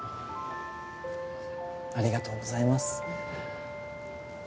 ありがとうございます。